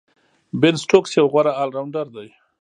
بین سټوکس یو غوره آل راونډر دئ.